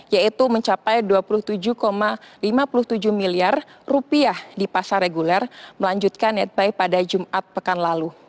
yaitu mencapai rp dua puluh tujuh lima puluh tujuh miliar rupiah di pasar reguler melanjutkan netbuy pada jumat pekan lalu